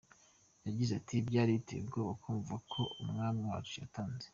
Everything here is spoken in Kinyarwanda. Yagize ati, “Byari biteye ubwoba kumva ko umwami wacu yatanze.